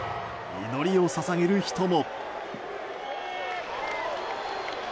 祈りを捧げる人も。